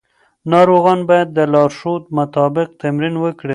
ناروغان باید د لارښود مطابق تمرین وکړي.